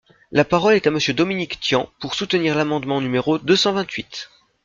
La parole est à Monsieur Dominique Tian, pour soutenir l’amendement numéro deux cent vingt-huit.